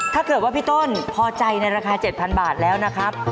ถ้าเกิดว่าพี่ต้นพอใจในราคา๗๐๐บาทแล้วนะครับ